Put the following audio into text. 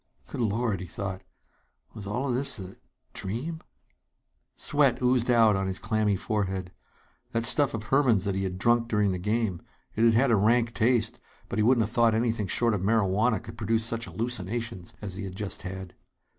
Good Lord! he thought. Was all this a a dream? Sweat oozed out on his clammy forehead. That stuff of Herman's that he had drunk during the game it had had a rank taste, but he wouldn't have thought anything short of marihuana could produce such hallucinations as he had just had.